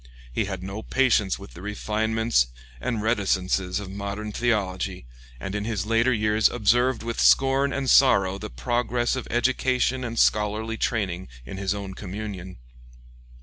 He had no patience with the refinements and reticences of modern theology, and in his later years observed with scorn and sorrow the progress of education and scholarly training in his own communion.